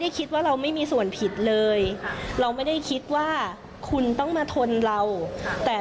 คิดว่าเราไม่มีส่วนผิดเลยเราไม่ได้คิดว่าคุณต้องมาทนเราแต่